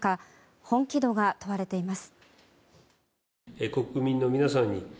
本気度が問われています。